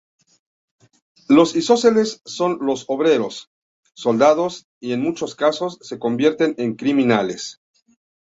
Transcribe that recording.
Los isósceles son los obreros, soldados y en muchos casos, se convierten en criminales.